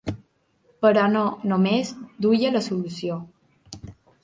Però no només duia la solució.